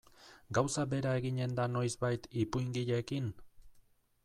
Gauza bera eginen da noizbait ipuingileekin?